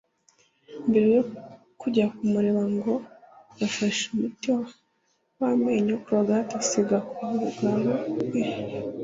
Mbere yo kujya kumureba ngo yafashe umuti w’amenyo(colgate) asiga ku bugabo bwe